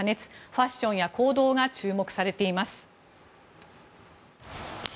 ファッションや行動が注目されています。